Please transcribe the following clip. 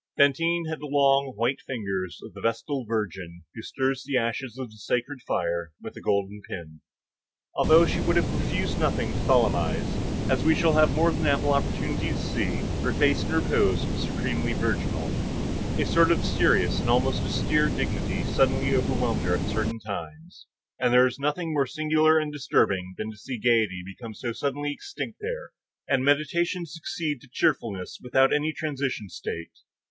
Fantine had the long, white, fine fingers of the vestal virgin who stirs the ashes of the sacred fire with a golden pin. Although she would have refused nothing to Tholomyès, as we shall have more than ample opportunity to see, her face in repose was supremely virginal; a sort of serious and almost austere dignity suddenly overwhelmed her at certain times, and there was nothing more singular and disturbing than to see gayety become so suddenly extinct there, and meditation succeed to cheerfulness without any transition state.